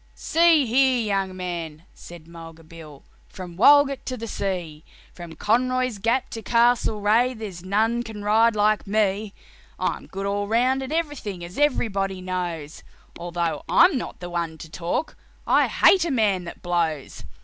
"See here, young man," said Mulga Bill, "from Walgett to the sea, From Conroy's Gap to Castlereagh, there's none can ride like me. I'm good all round at everything, as everybody knows, Although I'm not the one to talk I hate a man that blows.